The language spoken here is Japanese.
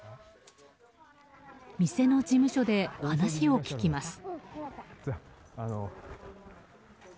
店の事務所で話を聞きます。